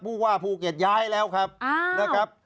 พูดว่าภูเกรศย้ายแล้วครับ